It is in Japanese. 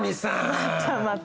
またまた。